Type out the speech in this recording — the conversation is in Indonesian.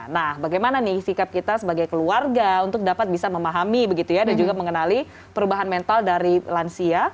nah bagaimana nih sikap kita sebagai keluarga untuk dapat bisa memahami begitu ya dan juga mengenali perubahan mental dari lansia